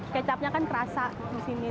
kecapnya kan kerasa di sini